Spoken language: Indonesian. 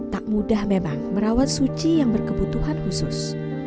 tak mudah memang merawat suci yang berkebutuhan khusus